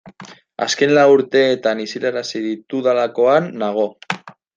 Azken lau urteetan isilarazi ditudalakoan nago.